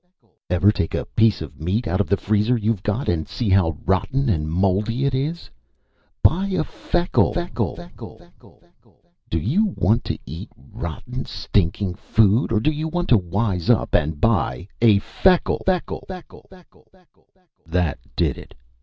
Ever take a piece of meat out of the freezer you've got and see how rotten and moldy it is? Buy a Feckle, Feckle, Feckle, Feckle, Feckle. Do you want to eat rotten, stinking food? Or do you want to wise up and buy a Feckle, Feckle, Feckle " That did it.